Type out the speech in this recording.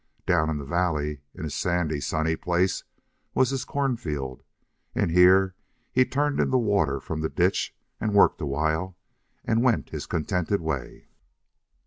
Down in the valley, in a sandy, sunny place, was his corn field, and here he turned in the water from the ditch, and worked awhile, and went his contented way.